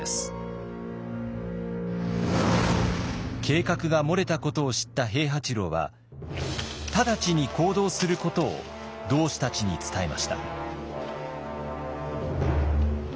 計画が漏れたことを知った平八郎は直ちに行動することを同志たちに伝えました。